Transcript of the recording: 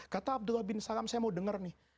kata abdullah bin salam saya mau dengar nih